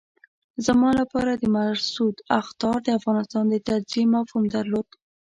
زما لپاره د مسعود اخطار د افغانستان د تجزیې مفهوم درلود.